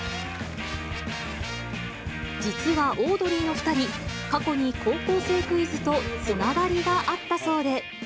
実はオードリーの２人、過去に高校生クイズとつながりがあったそうで。